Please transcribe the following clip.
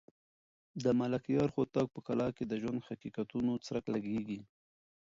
د ملکیار هوتک په کلام کې د ژوند د حقیقتونو څرک لګېږي.